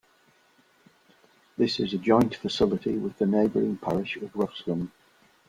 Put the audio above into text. This is a joint facility with the neighbouring parish of Ruscombe.